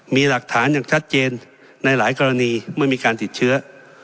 มีหลักฐานอย่างชัดเจนในหลายกรณีเมื่อมีการติดเชื้อ